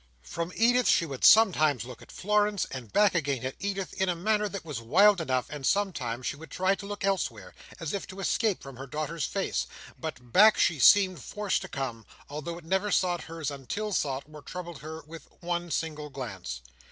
From Edith she would sometimes look at Florence, and back again at Edith, in a manner that was wild enough; and sometimes she would try to look elsewhere, as if to escape from her daughter's face; but back to it she seemed forced to come, although it never sought hers unless sought, or troubled her with one single glance.